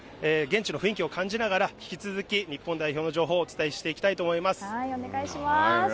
現地ながら、引き続き日本代表の情報をお伝えしていきたいと思います。